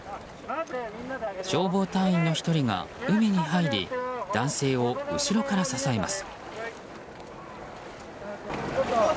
消防隊員の１人が海に入り男性を後ろから支えます。